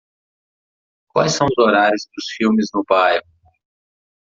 Quais são os horários dos filmes no bairro?